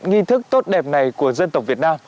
nghi thức tốt đẹp này của dân tộc việt nam